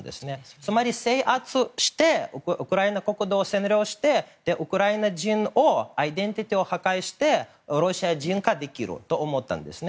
つまり制圧してウクライナ国土を占領してウクライナ人をそのアイデンティティーを破壊してロシア人化できると思ってたんですね。